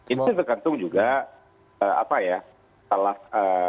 itu bergantung juga apa ya salah eh